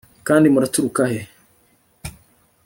kandi muraturuka he